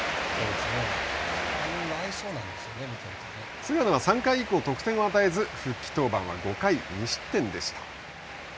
菅野が３回以降得点を与えず復帰登板は５回２失点でした。